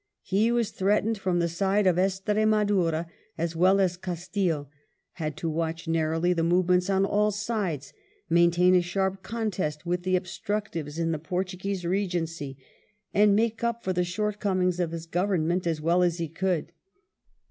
He was threatened from the side of Estremadura as well as Castille, had to watch narrowly the movements on all sides, maintain a sharp contest with the obstructives in the Portuguese Regency, and make up for the shortcomings of his Government as well as he could.